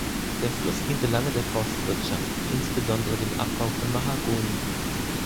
Der Fluss diente lange der Forstwirtschaft, insbesondere dem Abbau von Mahagoni.